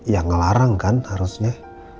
yang ngelarang kan harusnya